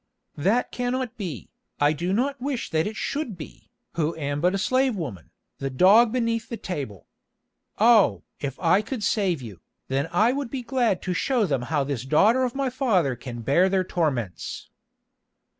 "That cannot be, I do not wish that it should be, who am but a slave woman, the dog beneath the table. Oh! if I could save you, then I would be glad to show them how this daughter of my father can bear their torments."